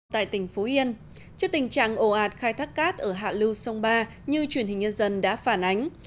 tại tỉnh phú yên trước tình trạng ồ ạt khai thác cát ở hạ lưu sông ba như truyền hình nhân dân đã phản ánh